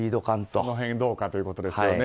その辺どうかということですよね。